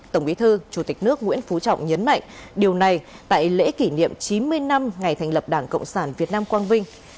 tổng bí thư chủ tịch nước nguyễn phú trọng nhấn mạnh điều này tại lễ kỷ niệm chín mươi năm ngày thành lập đảng cộng sản việt nam quang vinh